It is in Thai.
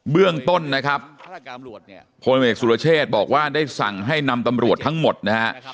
เรื่องต้นนะครับพลเอกสุรเชษบอกว่าได้สั่งให้นำตำรวจทั้งหมดนะฮะ